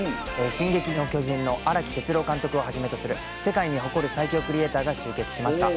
『進撃の巨人』の荒木哲郎監督をはじめとする世界に誇る最強クリエーターが集結しました。